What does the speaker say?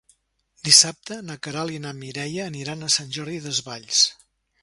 Dissabte na Queralt i na Mireia aniran a Sant Jordi Desvalls.